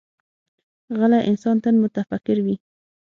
غلی انسان، تل متفکر وي.